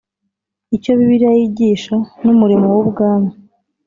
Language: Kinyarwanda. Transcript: Icyo Bibiliya yigisha n’Umurimo w Ubwami .